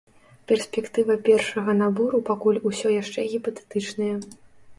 Перспектыва першага набору пакуль усё яшчэ гіпатэтычныя.